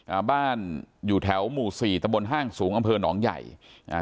อ่าบ้านอยู่แถวหมู่สี่ตะบนห้างสูงอำเภอหนองใหญ่อ่า